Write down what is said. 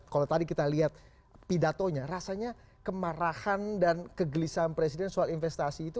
kalau tadi kita lihat pidatonya rasanya kemarahan dan kegelisahan presiden soal investasi itu